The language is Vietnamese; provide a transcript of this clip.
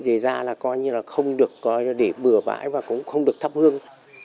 để ra là không được để bừa bãi và cũng không được thắp hương